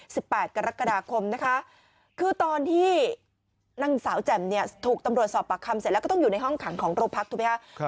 แปดกรกฎาคมนะคะคือตอนที่นางสาวแจ่มเนี่ยถูกตำรวจสอบปากคำเสร็จแล้วก็ต้องอยู่ในห้องขังของโรงพักถูกไหมคะครับ